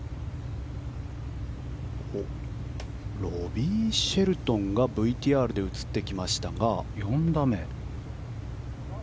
ロビー・シェルトンがＶＴＲで映ってきましたが。